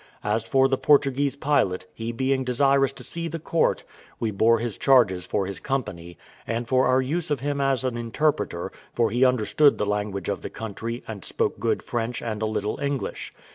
As for the Portuguese pilot, he being desirous to see the court, we bore his charges for his company, and for our use of him as an interpreter, for he understood the language of the country, and spoke good French and a little English.